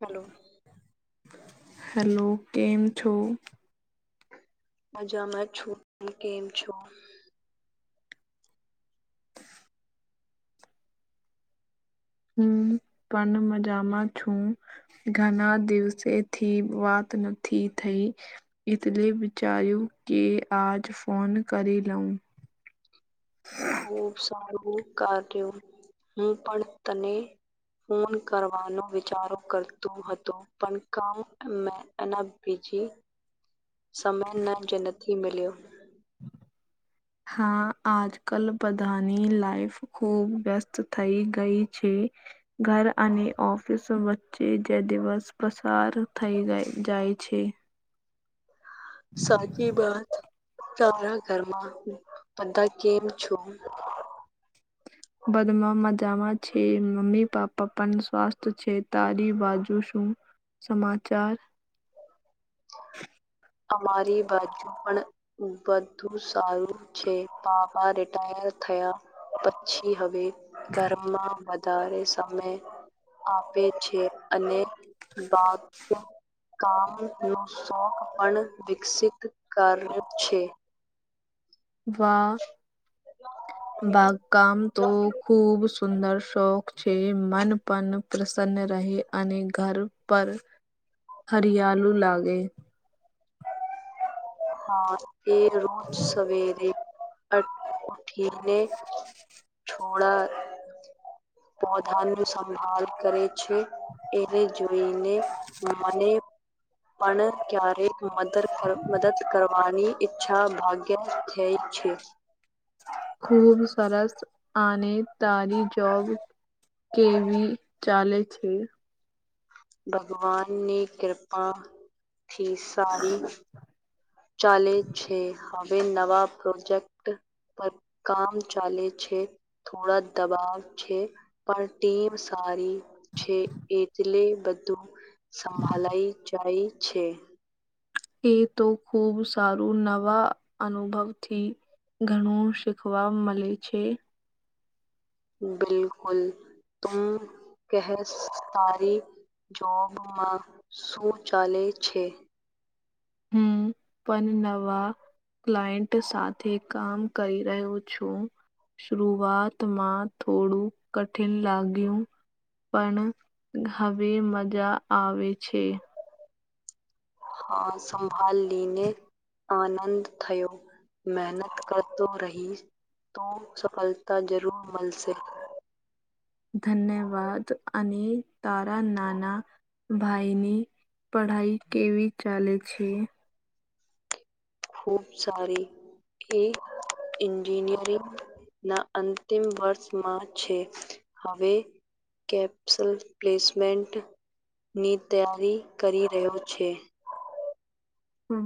Hello hello કેમ છો.? મજામાં છૂ કેમ છો? હમ પણ મજામાં છું. ઘણા દિવસે થી વાત નથી થઈ. એતલે વિચારું કે આજ ફોન કરી લઉં. હા ખુબ સારું કાર્યું હું પણ તને ફોન કરવાનો વિચારો કરતો હતો. પણ કામ મેં એના બીજી [unintelligible] સમય જ નથી મિલ્યુ. હા આજ કલ બધાની લાઈફ ખૂબ વ્યસ્ત થઈ ગઈ છે. ઘર અને ઓફિસ વચ્ચે જે દિવસ બસ કાર થઈ રઈ જાય છે. સાચી બાત તારા ઘરમાં બધા કેમ છો. બદમાં મજામાં છે મમ્મી પાપા પણ સ્વાસ્થ છે તારી બાજુ શું સમાચાર અમારી બાજુ પણ બધુ સારું છે પાપા રિટાયર થયા પછી હવે. ઘરમાં વધારે સમય આપે છે અને બાકી કામ. નો શોક પણ વિકસિત કયુ છે. વા બાગકામ તો. ખૂબ સુંદર શોખ છે મનપન પ્રસન્ન રહે અને ઘર પર હરિયાલુ લાગે. હા એ રોજ સવેરે અ ઉઠીને છોડા પોધાનું સંભાળ કરે છે. એને જોઈને મને. પણ ક્યારે મદર કર મદદ કરવાની ઈચ્છા ભાગ્યે થઈ છે. ખૂબ સરસ આને તારી જોબ કેવી ચાલે છે. ભગવાન ની કૃપા થી સારી ચાલે છે. હવે નવા પ્રોજેક્ટ પર કામ ચાલે છે, થોડા દબાવ છે. પણ ટીમ સારી છે એટલે બધું સંભાલાઈ જાય છે. એ તો ખૂબ સારું નવા અનુભવથી ઘણું શીખવા મળે છે. બિલકુલ તુમ કહેશ તારી જોબમાં શું ચાલે છે. હમ પણ નવા ક્લાઇન્ટ સાથે કામ કરી રહ્યો છું. શરૂઆતમાં થોડું કઠિન લાગ્યું પણ હવે મજા આવે છે. હા સંભાલીને આનંદ થયો. મહેનત કરતો રહી તો સફલતા જરૂર મલશે. ધન્યવાદ અને તારા નાના ભાઈની પઢાઈ કેવી ચાલે છે. ખૂબ સારી એ ઈન્જિનિયરિંગ ના અંતિમ વર્ષમાં છે હવે કેપ્સલ પ્લેસમેન્ટ ની તૈયારી કરી રહ્યો છે.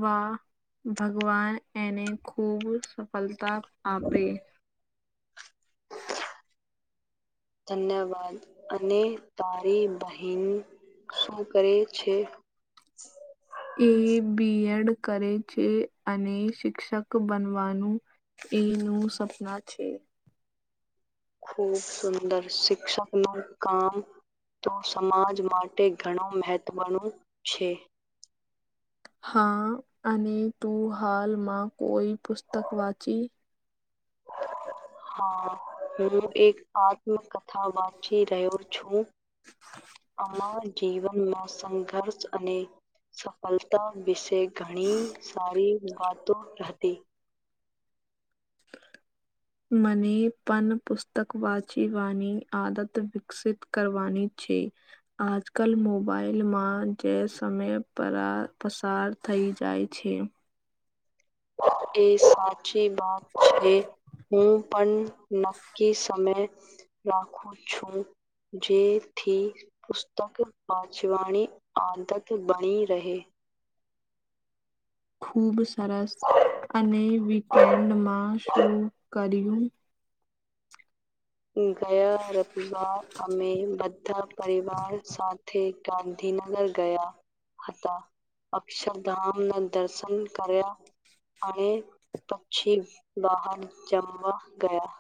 વા ભગવાન એને ખૂબ સફલતા આપે. ધન્યવાદ અને તારી બહેન શું કરે છે. એ બી. એડ. કરે છે અને શિક્ષક બનવાનું એનું સપના છે. ખૂબ સુંદર શિક્ષક નું કામ તો સમાજ માટે ઘણું મહેત્વનું છે. હા અને તું હાલમાં કોઈ પુસ્તક વાંચી હા હું એક આત્મકથા વાંચી રહ્યો છું. અમારા જીવનમાં સંઘર્ષ અને સફલતા વિશે ઘણી સારી વાતો હતી. મને પન પુસ્તક વાંચીવાની આદત વિકસિત કરવાની છે. આજકાલ મોબાઈલમાં જે સમેય પરા પસાર થઈ જાય છે. એ સા છી વાત છે હું પણ નક્કી સમેય રાખું છું જેથી પુસ્તક વાંચવાની આદત બની રહે ખુબ સરસ અને વીકેન્ડમાં શું કર્યું? ગયા રવિવાર અમે બધા પરિવાર સાથે ગાંધીનગર ગયા હતા અક્ષરધામ ના દર્શન કર્યા અને પછી બહાર જમવા ગયા.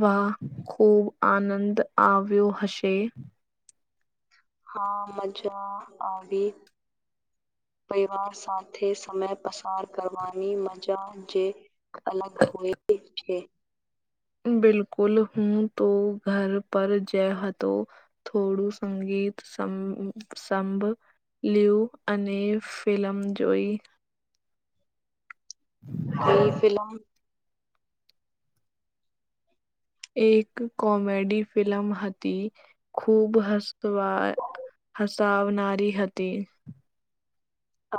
વાહ ખુબ આનંદ આવ્યો હશે. હા મજા આવી પરિવાર સાથે સમય પસાર કરવાની મજા જે અલગ હોય છે. બિલકુલ હું તો ઘર પર જ હતો. થોડું સંગીત સં સંભ લિઉ અને ફિલમ જોઈ [inaudible] એ ફિલહાલ એક કોમેડી ફિલમ હતી ખૂબ હસ વા હસાવનારી હતી.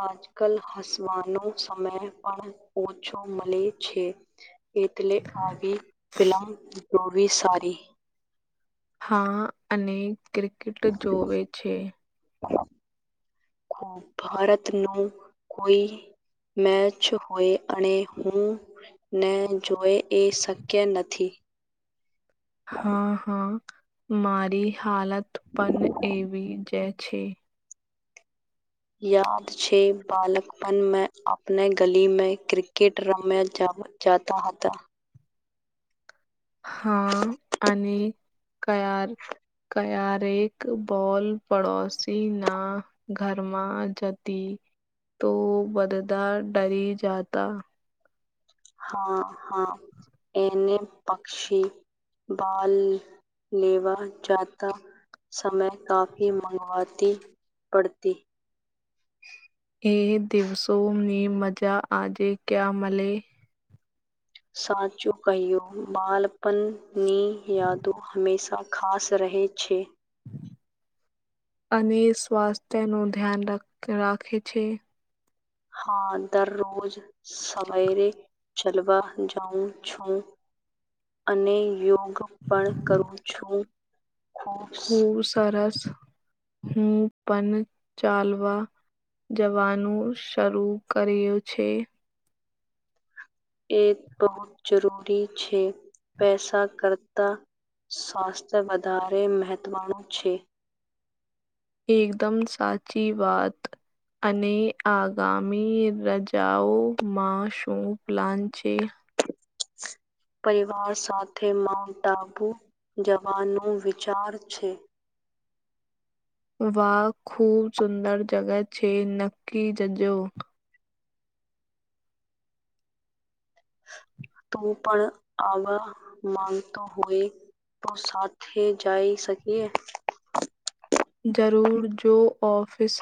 આજકાલ હસવાનો સમય પણ ઓછો મલે છે. એટલે આગી ફિલ્મ જોવી સારી હા અને ક્રિકેટ જોવે છે. [unintelligible] ભારત નું કોઈ મેચ હોય અને હું ને જોય એ શક્ય નથી. હા હા મારી હાલત પણ એવી જ છે. યાદ છે બાલકપન મે આપને ગલી મે ક્રિકેટ રમ્યા જાવ જાતા હતા. હા અને કયાર ક્યારેક બોલ પડોશી ના ઘરમાં જતી તો બધા ડરી જાતા. હા હા એને પક્ષી બાલ લેવા જાતા સમય કાફી મગવાતી પડતી. એ દિવસોની મજા આજે ક્યા મળે સાચું કહ્યું બાળપણની યાદો હંમેશાં ખાસ રહે છે અને સ્વાસ્થ્ય નો ધ્યાન રાખે છે હા દરરોજ સવયરે ચલવા જાઉં છું અને યોગ પણ કરું છું ખૂબ ખુબ સરસ હું પણ ચાલવા જવાનું શરૂ કર્યું છે એ બહ જરૂરી છે પૈસા કરતા સ્વાસ્થ્ય વધારે મહત્વનું છે એકદમ સાચી વાત અને આગામી રજાઓમાં શું પ્લાન છે પરિવાર સાથે માઉન્ટ ટાબુ જવાનો વિચાર છે વાહ ખૂબ સુંદર જગહ છે નક્કી જજો તું પણ આવા માંગતો હોય તો સાથે જઈ શકીએ જરૂર જો ઓફિસ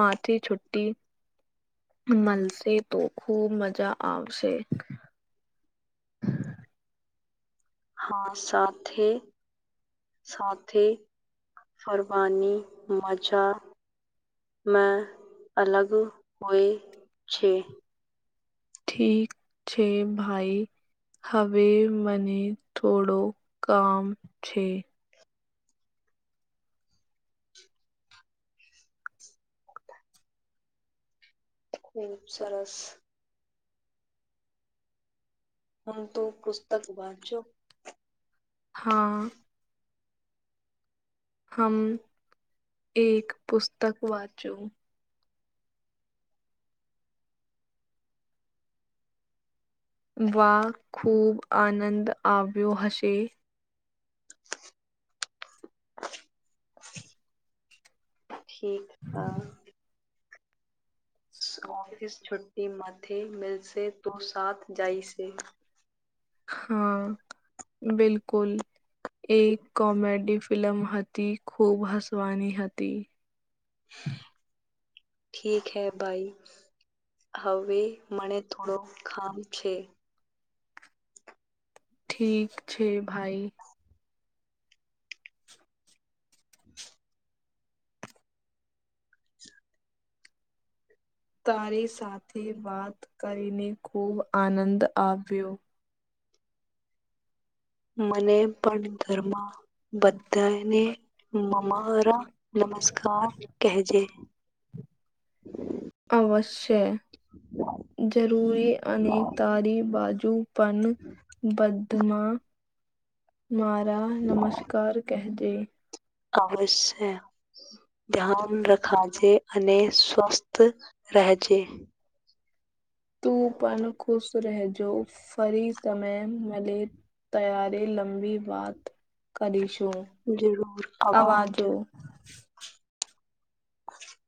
માાથી છુ્ટટી મલશે તો ખુબ મજા આવશે હા સાથે સાથે ફરવાની મજા અલગ હોય છે ઠીક છે ભાઈ હવે મને થોડો કામ છે ખુબ સરસ હું તું પુસ્તક વાંચજો હા. હમ્મ હમ એક પુસ્તક વાંચું, વા ખૂબ આનંદ આવ્યો હશે. ઠીક હા, એ માથે મિલસે તો સાથ જાઇશે. હા બિલકુલ એક કોમેડી ફિ ફિલ્લમ હતી ખૂબ હસવાની હતી. ઠીક હૈ ભાઈ, હવે મને થોડો ખામ છે. ઠીક છે ભાઈ, [inaudible] તારી સાથે વાત કરીને ખુબ આનંદ આવ્યો. મને પણ ઘરમાં બધાને એમાં મમારા, બધાને નમસ્કાર કહેજે. અવશ્ય, જરૂરી અને તારી બાજુ પણ બધા બધમાં, મારા નમસ્કાર કહજે, અવશ્ય ધ્યાન રખાવજે, અને સ્વસ્થ રહેજે. તું પણ ખુશ રહ જો ફરી સમય મળે, તાયારી લંબી વાત કરીશું જરૂર આવાજ અવાજો. હ,